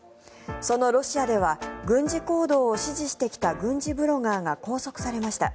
そのロシアでは軍事行動を支持してきた軍事ブロガーが拘束されました。